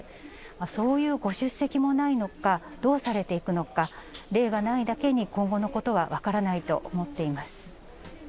そういうご出席もないのか、どうされていくのか、例がないだけに、今後のことは分からないと思っています。